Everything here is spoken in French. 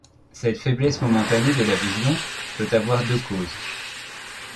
Cette faiblesse momentanée de la vision peut avoir deux causes.